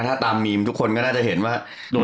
ถ้าตามมีมทุกคนก็น่าจะเห็นว่า